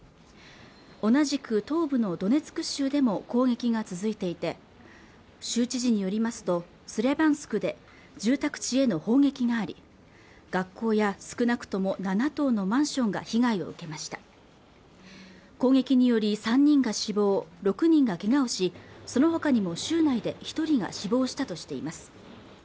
同じく東部のドネツク州でも攻撃が続いていて州知事によりますとスラビャンスクで住宅地への砲撃があり学校や少なくとも七棟のマンションが被害を受けました攻撃により３人が死亡６人がけがをしそのほかにも州内で一人が死亡したとしています